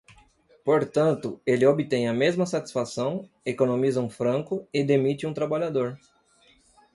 Portanto, ele obtém a mesma satisfação, economiza um franco e demite um trabalhador.